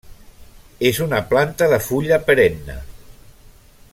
És una planta de fulla perenne.